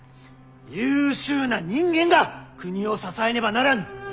優秀な人間が国を支えねばならぬ。